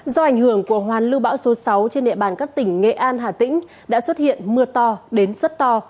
do ảnh hưởng của hoàn lưu bão số sáu trên địa bàn các tỉnh nghệ an hà tĩnh đã xuất hiện mưa to đến rất to